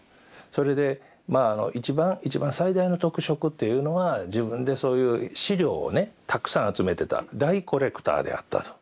それでまああのいちばん最大の特色というのは自分でそういう資料をねたくさん集めてた大コレクターであったと。